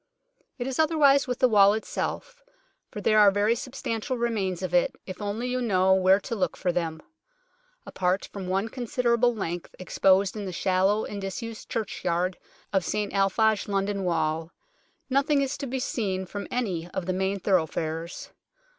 It is otherwise with the wall itself, for there are very substantial remains of it, if only you know where to look for them. Apart from one considerable length exposed in the shallow and disused churchyard of St Alphage London Wall, nothing is to be seen from any of the main thoroughfares.